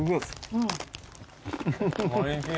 おいしい。